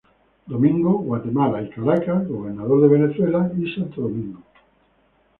Domingo, Guatemala y Caracas, Gobernador de Venezuela y Santo Domingo.